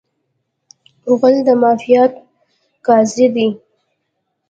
غول د معافیت قاضي دی.